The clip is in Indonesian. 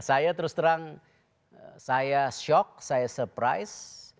saya terus terang saya shock saya surprise